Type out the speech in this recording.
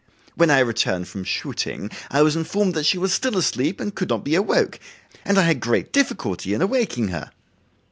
When I returned from shooting, I was informed that she was still asleep and could not be awoke, and I had great difficulty in awaking her.